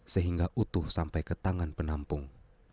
sehingga utuh sampai ke tangan penampung